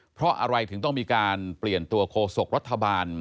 เพราะอะไรถึงต้องมีการเปลี่ยนตัวโคศกรัฐบาล